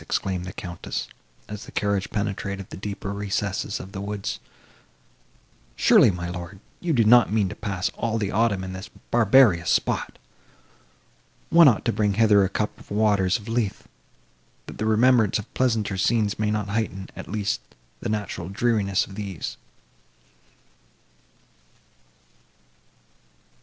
exclaimed the Countess, as the carriage penetrated the deeper recesses of the woods. "Surely, my lord, you do not mean to pass all the autumn in this barbarous spot! One ought to bring hither a cup of the waters of Lethe, that the remembrance of pleasanter scenes may not heighten, at least, the natural dreariness of these."